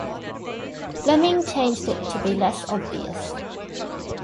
Fleming changed it to be less obvious.